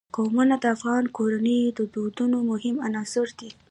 قومونه د افغان کورنیو د دودونو مهم عنصر دی.